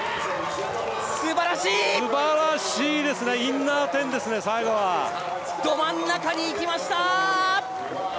すばらしいですね、インナーテンですね、ど真ん中に行きました。